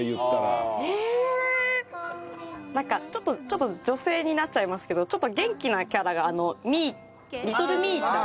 なんかちょっと女性になっちゃいますけどちょっと元気なキャラがミイリトルミイちゃん。